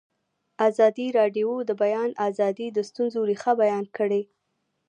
ازادي راډیو د د بیان آزادي د ستونزو رېښه بیان کړې.